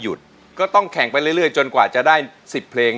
ยังไม่มีให้รักยังไม่มี